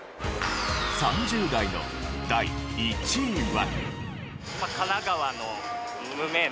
３０代の第１位は。